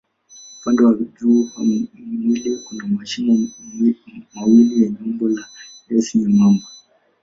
Upande wa juu wa mwili kuna mashimo mawili yenye umbo la S nyembamba.